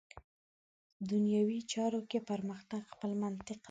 دنیوي چارو کې پرمختګ خپل منطق لري.